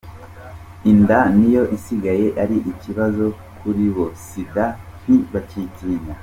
Inda niyo isigaye ari ikibazo kuribo, Sida ntibakiyitinya.